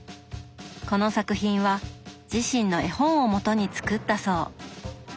この作品は自身の絵本をもとに作ったそう。